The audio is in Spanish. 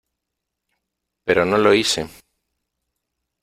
pero no lo hice .